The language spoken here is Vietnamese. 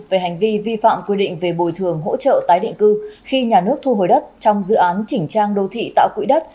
về hành vi vi phạm quy định về bồi thường hỗ trợ tái định cư khi nhà nước thu hồi đất trong dự án chỉnh trang đô thị tạo quỹ đất